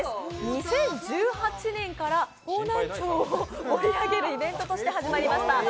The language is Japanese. ２０１８年から方南町を盛り上げるイベントとして始められました。